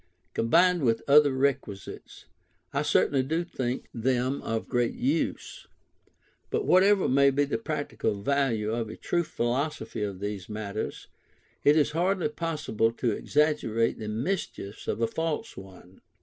Combined with other requisites, I certainly do think them of great use; but whatever may be the practical value of a true philosophy of these matters, it is hardly possible to exaggerate the mischiefs of a false one.